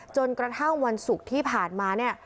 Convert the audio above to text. จนกระทั่งวันศุกร์ที่ผ่านมาเนี่ย